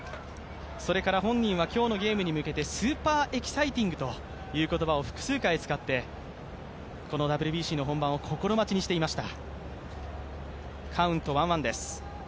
それから本人は今日のゲームに向けて、スーパーエキサイティングという言葉を複数回使って、このＷＢＣの本番を心待ちにしていました。